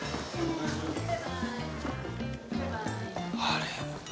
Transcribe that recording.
あれ？